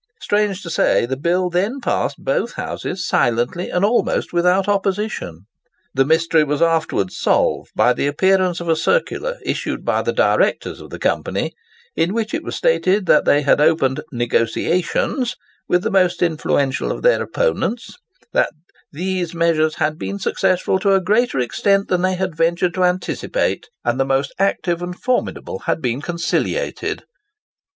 Strange to say, the bill then passed both Houses silently and almost without opposition. The mystery was afterwards solved by the appearance of a circular issued by the directors of the company, in which it was stated, that they had opened "negotiations" with the most influential of their opponents; that "these measures had been successful to a greater extent than they had ventured to anticipate; and the most active and formidable had been conciliated."